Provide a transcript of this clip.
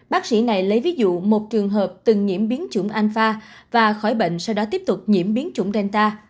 bác sĩ này lấy ví dụ một trường hợp từng nhiễm biến chủng anfa và khỏi bệnh sau đó tiếp tục nhiễm biến chủng delta